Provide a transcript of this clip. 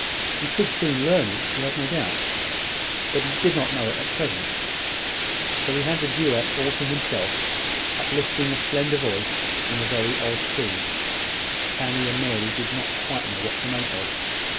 He could soon learn it, he had no doubt, but he did not know it at present: so he had the duet all to himself; uplifting a slender voice in a very odd key, which Fanny and Mary did not quite know what to make of.